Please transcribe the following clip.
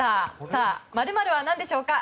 さあ、○○は何でしょうか。